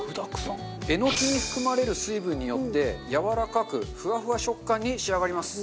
えのきに含まれる水分によってやわらかくふわふわ食感に仕上がります。